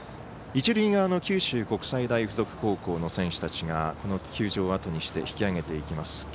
一塁側の九州国際大付属高校の選手たちがこの球場をあとにして引き揚げていきます。